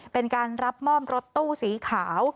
เป็นการรับมอบรถตู้สีขาว